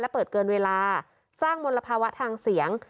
และเปิดเกินเวลาสร้างมลภาวะทางเสียง